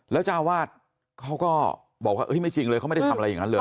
แล้วเจ้าอาวาสเขาก็บอกว่าไม่จริงเลยเขาไม่ได้ทำอะไรอย่างนั้นเลย